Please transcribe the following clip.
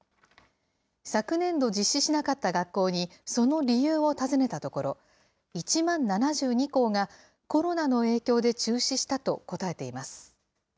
昨年度実施しなかった学校にその理由を尋ねたところ、１万７２校がコロナの影響で中止したと答えています。